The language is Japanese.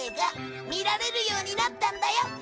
見られるようになったんだよ